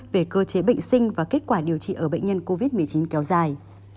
về cơ chế bệnh sinh và kết quả điều trị ở bệnh nhân covid một mươi chín kéo dài